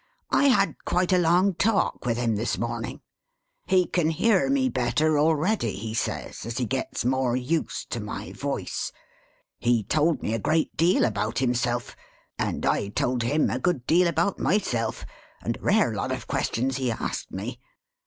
I had quite a long talk with him this morning: he can hear me better already, he says, as he gets more used to my voice. He told me a great deal about himself, and I told him a good deal about myself, and a rare lot of questions he asked me.